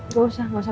gak usah gak usah